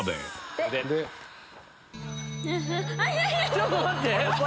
ちょっと待って！